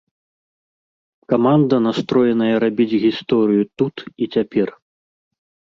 Каманда настроеная рабіць гісторыю тут і цяпер.